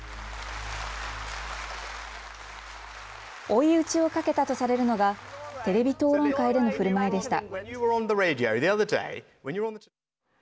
追い打ちをかけたとされるのがテレビ討論会でのふるまいでした。